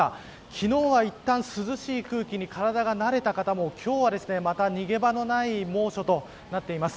昨日はいったん涼しい空気に体が慣れた方も今日はまた、逃げ場のない猛暑となっています。